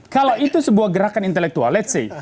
kalau itu sebuah gerakan intelektual let's say